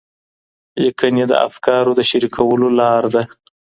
لیکنې د افکارو د شریکولو لار ده.